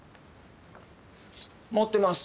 持ってます。